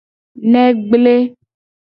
Ne gble.